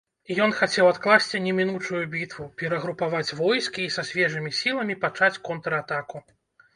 Ён хацеў адкласці немінучую бітву, перагрупаваць войскі і са свежымі сіламі пачаць контратаку.